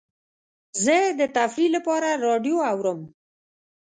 زه د تفریح لپاره راډیو اورم.